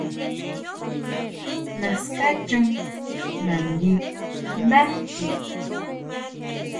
Naská chon nagui ndáje.